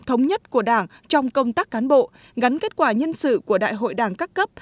thống nhất của đảng trong công tác cán bộ gắn kết quả nhân sự của đại hội đảng các cấp